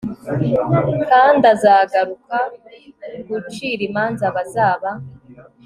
kand'azagaruka gucir'imanza abazaba